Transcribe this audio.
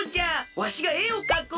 わしがえをかこう。